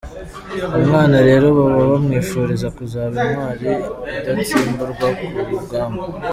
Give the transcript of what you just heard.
Umwana rero baba bamwifuriza kuzaba intwari idatsimburwa ku rugamba.